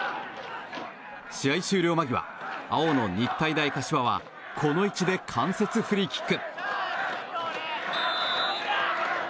試合終了間際、青の日体大柏はこの位置で間接フリーキック。